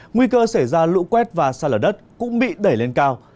nguy cơ xảy ra lũ quét và xa lở đất cũng bị đẩy lên cao